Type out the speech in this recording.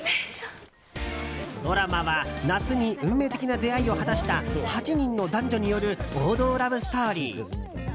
ドラマは夏に運命的な出会いを果たした８人の男女による王道ラブストーリー。